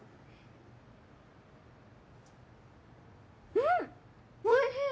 うんおいしい！